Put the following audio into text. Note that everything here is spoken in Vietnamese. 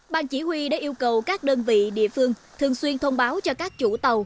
ban chỉ huy đã yêu cầu các đơn vị địa phương thường xuyên thông báo cho các chủ tàu